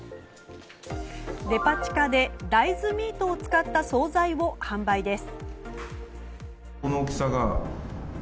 デパ地下で大豆ミートを使った総菜を販売です。